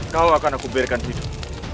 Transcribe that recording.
kau akan aku biarkan hidup